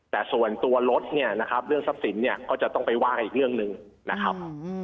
แต่ส่วนตัวรถเนี่ยนะครับเรื่องทรัพย์สินเนี่ยก็จะต้องไปว่ากันอีกเรื่องหนึ่งนะครับ